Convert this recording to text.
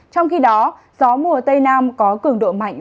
trong khi đó gió mùa tây nam có cường độ mạnh